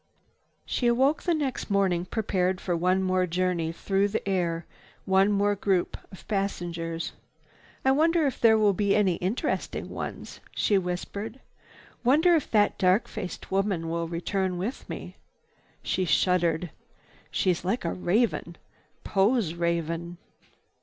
She awoke next morning prepared for one more journey through the air, one more group of passengers. "Wonder if there will be any interesting ones?" she whispered. "Wonder if that dark faced woman will return with me?" She shuddered. "She's like a raven, Poe's raven.